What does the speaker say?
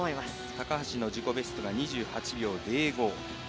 高橋の自己ベストが２８秒０５。